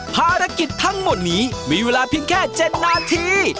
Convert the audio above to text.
ภารกิจทั้งหมดนี้มีเวลาเพียงแค่๗นาที